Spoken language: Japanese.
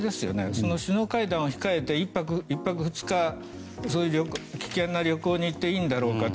その首脳会談を控えて１泊２日、危険な旅行に行っていいんだろうかと。